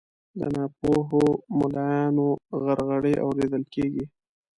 د ناپوهو ملایانو غرغړې اورېدل کیږي